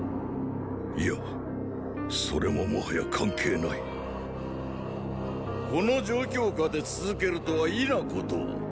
いやそれももはや関係ないこの状況下で続けるとは異なことを。